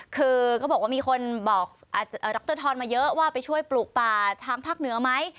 คือก็บอกว่ามีคนบอกดรทรมาเยอะว่าไปช่วยปลูกป่าทางภาคเหนือไหม